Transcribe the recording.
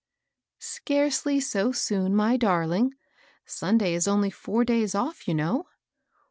" Scarcely so soon, my darling. Sunday is only four days off, you know."